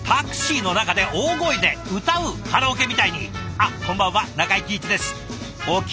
あっこんばんは中井貴一です。